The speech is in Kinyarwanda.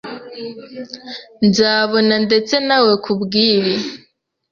Nzabona ndetse nawe kubwibi.